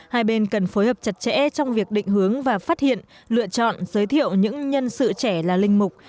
hai bên cần phối hợp chặt chẽ trong việc định hướng và phát hiện lựa chọn giới thiệu những nhân sự trẻ là linh mục